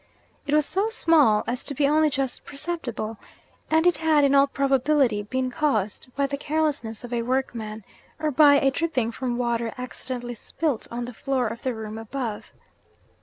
It was so small as to be only just perceptible, and it had in all probability been caused by the carelessness of a workman, or by a dripping from water accidentally spilt on the floor of the room above.